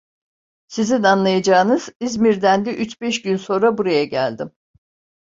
Sizin anlayacağınız İzmir'den de üç beş gün sonra buraya geldim.